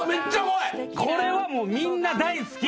これはもうみんな大好き。